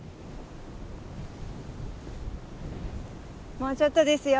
もうちょっとですよ。